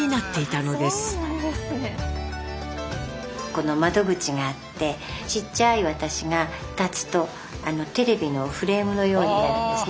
この窓口があってちっちゃい私が立つとテレビのフレームのようになるんですね。